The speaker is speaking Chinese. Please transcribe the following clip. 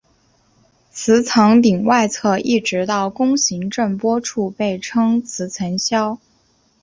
磁层顶外侧一直到弓形震波处被称磁层鞘。